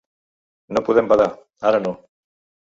No podem badar, ara no.